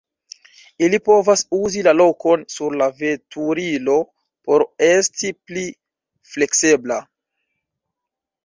Ili povas uzi la lokon sur la veturilo por esti pli fleksebla.